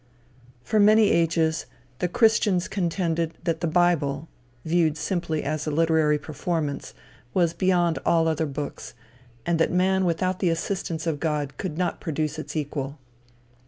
For many ages, the christians contended that the bible, viewed simply as a literary performance, was beyond all other books, and that man without the assistance of God could not produce its equal.